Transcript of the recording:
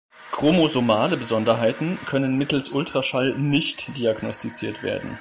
Chromosomale Besonderheiten können mittels Ultraschall nicht diagnostiziert werden.